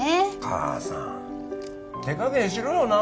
母さん手加減しろよな